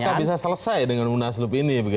apakah bisa selesai dengan munaslup ini